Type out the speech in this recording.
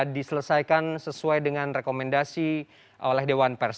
diselesaikan sesuai dengan rekomendasi oleh dewan pers